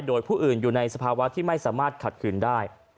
โดยผู้อื่นอยู่ในสภาวะที่ไม่สามารถขัดขืนได้